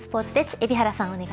海老原さん